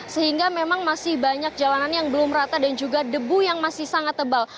sehingga memang masih banyak jalanan yang belum rata dan juga debu yang masih sangat tebal